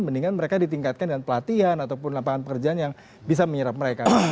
mendingan mereka ditingkatkan dengan pelatihan ataupun lapangan pekerjaan yang bisa menyerap mereka